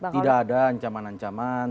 tidak ada ancaman ancaman